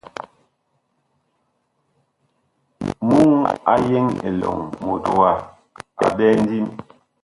Muŋ a yeŋ elɔŋ mut wa a ɓɛɛ ndim.